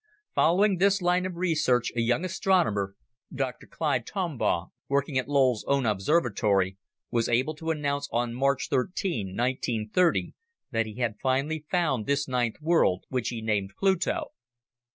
Following this line of research, a young astronomer, Dr. Clyde Tombaugh, working at Lowell's own observatory, was able to announce on March 13, 1930, that he had finally found this ninth world, which he named Pluto.